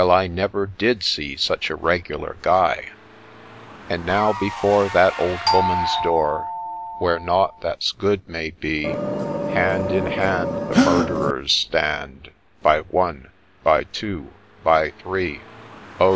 — I never did see such a regular Guy 1 ' And now before That old Woman's door, Where nought that 's good may be, Hand in hand The Murderers stand By one, by two, by three I Oh